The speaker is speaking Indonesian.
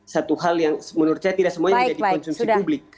satu hal yang menurut saya tidak semuanya menjadi konsumsi publik